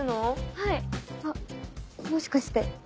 はいあっもしかして。